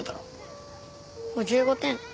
５５点。